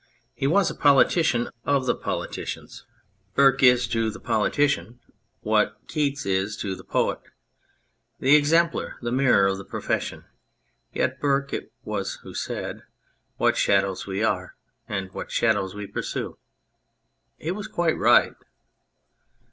He was a politician of the politicians. Burke is to the politician 99 H 2 On Anything what Keats is to the poet, the exemplar, the mirror of the profession ; yet Burke it was who said :" What shadows we are, and what shadows we pursue !" He was quite right.